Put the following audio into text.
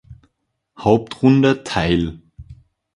Hauptrunde teil.